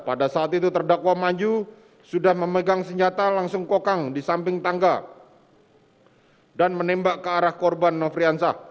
pada saat itu terdakwa maju sudah memegang senjata langsung kokang di samping tangga dan menembak ke arah korban nofriansah